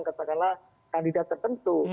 katakanlah kandidat tertentu